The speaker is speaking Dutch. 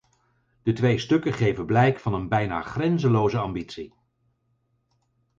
De twee stukken geven blijk van een bijna grenzeloze ambitie.